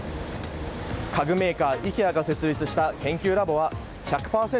家具メーカーＩＫＥＡが設立した研究ラボは１００％